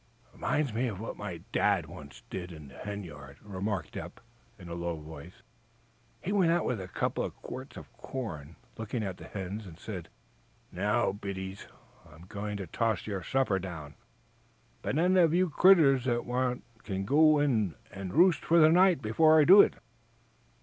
"Reminds me of what my Dad once did in the hen yard," remarked Eph, in a low voice. "He went out with a couple of quarts of corn, looked at the hens, and said: 'Now, biddies, I'm going to toss your supper down. But any of you critters that want can go in and roost for the night before I do it.'"